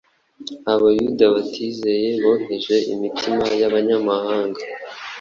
Abayuda batizeye boheje imitima y’abanyamahanga,